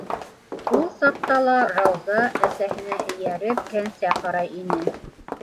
Ул саҡта ла Рауза, әсәһенә эйәреп, кәнсә ҡарай ине.